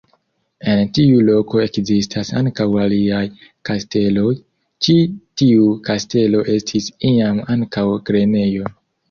En tiu loko ekzistas ankaŭ aliaj kasteloj, ĉi tiu kastelo estis iam ankaŭ grenejo.